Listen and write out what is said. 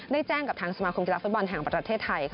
ได้แจ้งกับทางสมาคมกีฬาฟุตบอลแห่งประเทศไทย